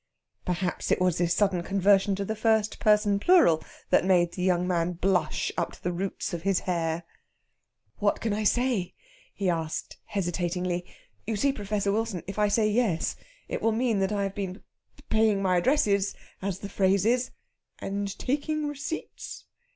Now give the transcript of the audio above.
Perhaps it was this sudden conversion to the first person plural that made the young man blush up to the roots of his hair. "What can I say?" he asked hesitatingly. "You see, Professor Wilson, if I say yes, it will mean that I have been p paying my addresses, as the phrase is...." "And taking receipts?"